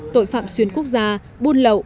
tội phạm xuyên quốc gia buôn lậu